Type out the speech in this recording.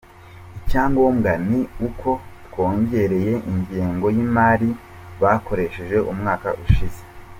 Icya ngombwa ni uko twongereye ingengo y’imari bakoresheje umwaka ushize.